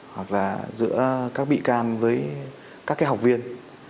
hoặc là giữa các bị can với các cái học viên